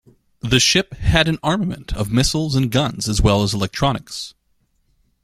This ship had an armament of missiles and guns as well as electronics.